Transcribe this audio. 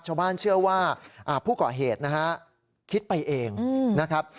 ชาวบ้านเชื่อว่าผู้ก่อเหตุนะฮะคิดไปเองนะครับ